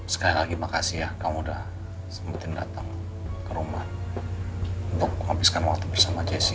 sekali lagi makasih ya kamu udah sempetin datang ke rumah untuk menghabiskan waktu bersama jessi